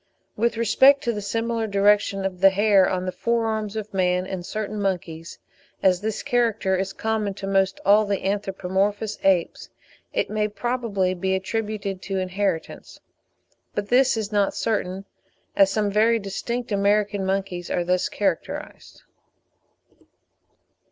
With respect to the similar direction of the hair on the fore arms of man and certain monkeys, as this character is common to almost all the anthropomorphous apes, it may probably be attributed to inheritance; but this is not certain, as some very distinct American monkeys are thus characterised.